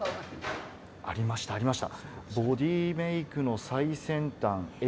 ありました、ありました。